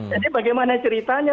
jadi bagaimana ceritanya